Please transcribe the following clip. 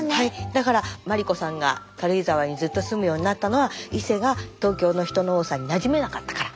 だから麻里子さんが軽井沢にずっと住むようになったのは「いせ」が東京の人の多さになじめなかったから。